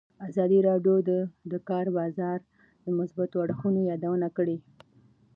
ازادي راډیو د د کار بازار د مثبتو اړخونو یادونه کړې.